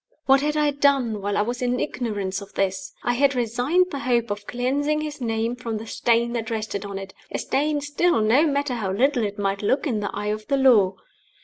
What had I done while I was in ignorance of this? I had resigned the hope of cleansing his name from the stain that rested on it a stain still, no matter how little it might look in the eye of the Law.